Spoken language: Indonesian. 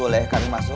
boleh kami masuk